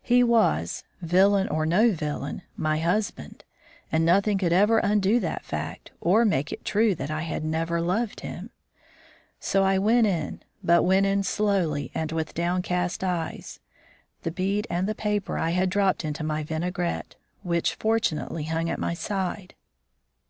He was, villain or no villain, my husband, and nothing could ever undo that fact or make it true that I had never loved him. So I went in, but went in slowly and with downcast eyes. The bead and the paper I had dropped into my vinaigrette, which fortunately hung at my side.